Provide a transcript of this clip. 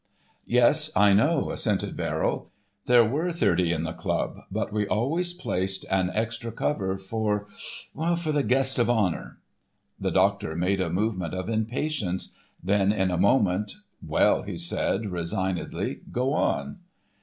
"Yes, I know," assented Verrill, "There were thirty in the club, but we always placed an extra cover—for—for the Guest of Honour." The doctor made a movement of impatience. Then in a moment, "Well," he said, resignedly, "go on."